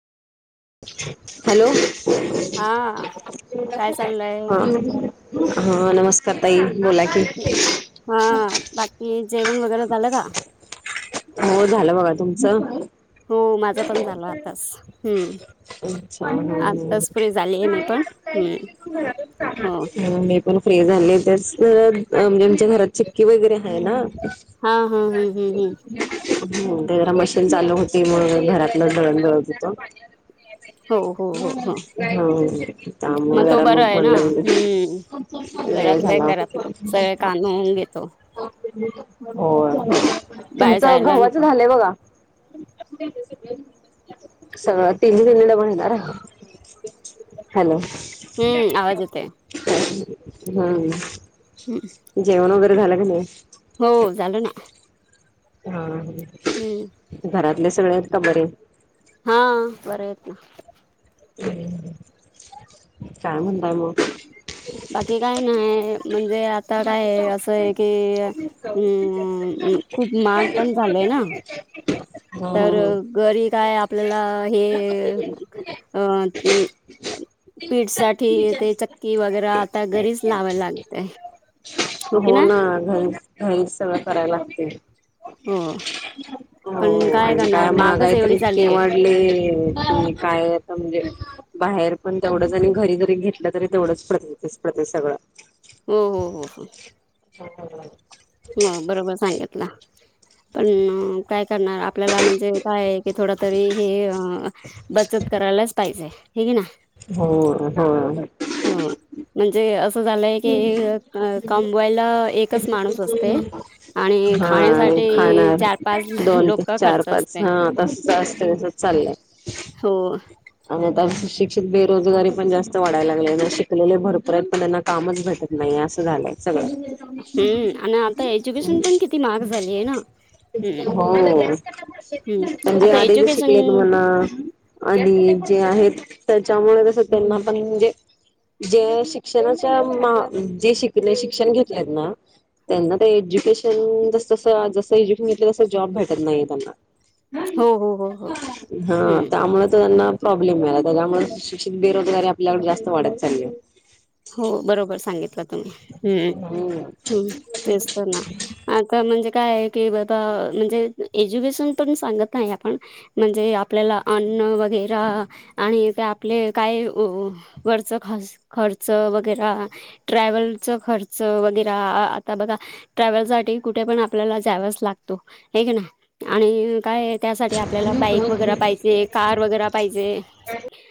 Hello. हा जेवलासा काय? हा. हा नमस्कार ताई, बोला की. हा बाकी जेवणं वगैरे झालं का? हो झालं बघा तुमचं? हो माझं पण झालं आतास हूं... अच्छा हं, हं, हं. मी नाही पण आज लाईट हम्म गेली म्हणून घरातच हो काम हाय.. मी. पण फ्री झाली तेच म्हणजे आमच्या घरात चिक्की वगैरे हाय ना. हा, हा, हं, हं, हं. हुं.. ते जरा मशीन चालू होती म्हणून घरातलं दळण दळत होतो. हो हो हो हो हां, त्यामुळे तो जरा बरा मग आहे ना म्हटलं हम्म. वेळ घरातलंय झाला. घरातलं सगळे काम होऊन घेतो होय, हो. बाहेर तुमचं जायला गव्हाचं नको झालंय बघा. सगळच. [unintelligible] हॅलो. हूं.. आवाज येतंय. हा. हं.. जेवण वगैरे झालं का नाही? हो झालं ना. हा. हं... घरातले सगळे आहेत का बरे?. हा, बरे आहेत ना. हं.. हुं.. काय म्हणताय मग? बाकी काय नाही, म्हणजे आता काय असं एक की अ खूप मग पण झालंय ना. हम्म तर हम्म घरी काय आपल्याला हे, अं.. अ पीठ साठी ते चक्की वगैरे आता घरीच लावायला लागते. हो ना. घरी- घरीच सगळं करायला लागते. हो. पण हो आणि काय करणार मागच महागायी तर एवढी झाली इतके आहे वाढले, की काय आता म्हणजे बाहेर पण तेवढंच आणि घरी जरी घेतलं, तरी तेवढंच पडतच पडतंय सगळं. हो, हो, हो, हो. छान. ह बरोबर सांगितला. पण काय करणार? आपल्याला म्हणजे कायय, की थोडं तरी हे बचत करायलाच पाहिजे. हे की ना. हो. हो. हो. म्हणजे असं झालंय की, कमवायला एकच माणूस असतो. हम्. हा आणि खाणार चार पाच दोन, लोक चार, खर्च पाच. असते हा, तस असत. तस चाललाय. हो. आणि आता सुशिक्षित बेरोजगारी पण जास्त वाढाय लागली ना. शिकलेले भरपूर आहेत. पण त्यांना कामच भटत नाही. असं झालंय सगळ. हम्म आणि आता एज्युकेशन पण, किती माहाग झालीय ना. हम्म हो. हम्म म्हणजे आता आधीच एज्युकेशन शिकलेत म्हणा. आणि जे आहेत, त्याच्यामुळे कसं, त्यांना पण म्हणजे जे शिक्षणाच्या मा जे शिकले, शिक्षण घेतलेत ना त्यांना ते एज्युकेशन, जसंस जसं एज्युकेशन घेतलं. तसं जॉब भेटत नाही त्यांना. हो हो हो हो हा. हम्म त्यामुळे तर त्यांना प्रॉब्लेम मिलाला. त्याच्यामुळे शिक्षित बेरोजगारी आपल्याकडे, जास्त वाढत चाललीय. हो, बरोबर सांगितलं तुम्ही. ह्, हम्म ह्. तेच तर ना. आता म्हणजे काय आहे की बघा. म्हणजे, एज्युकेशन पण सांगत नाही आपण. म्हणजे, आपल्याला अन्न वगैरा आणि ते आपले काय व वरच खर्स - खर्च वगैरा ट्रॅव्हलच खर्च वगैरा. आता बघा ट्रॅव्हलसाठी कुठे पण आपल्याला जावच लागतो. हे ना आणि काय त्यासाठी आपल्याला बाईक वगैरा पाहिजे. कार वगैरा पाहिजे.